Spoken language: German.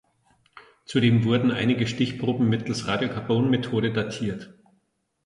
Zudem wurden einige Stichproben mittels Radiokarbonmethode datiert.